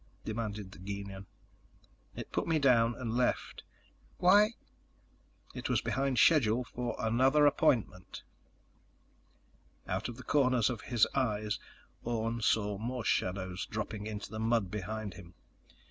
demanded the Gienahn. "It put me down and left." "Why?" "It was behind schedule for another appointment." Out of the corners of his eyes, Orne saw more shadows dropping to the mud around him.